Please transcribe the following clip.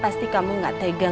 pasti kamu gak tegang